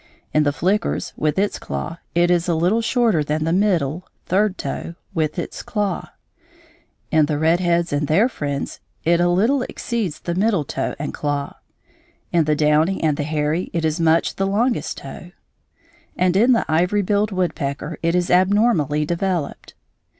In the flickers, with its claw, it is a little shorter than the middle (third) toe with its claw; in the red heads and their friends it a little exceeds the middle toe and claw; in the downy and the hairy it is much the longest toe, and in the ivory billed woodpecker it is abnormally developed.